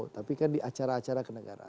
tapi kan di acara acara kenegaraan